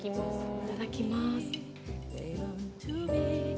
いただきます。